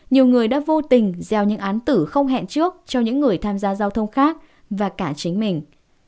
nhiều người đã vô tình gieo những án tử không hẹn trước cho những người tham gia giao thông khác và cả chính mình